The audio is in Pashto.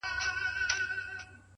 د پوهې تنده انسان مخته بیايي’